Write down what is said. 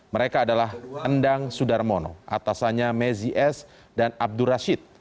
mereka adalah endang sudarmono atasannya mezi s dan abdur rashid